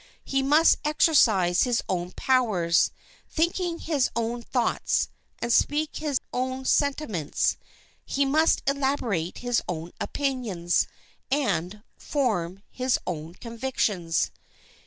He must exercise his own powers, think his own thoughts, and speak his own sentiments. He must elaborate his own opinions, and form his own convictions.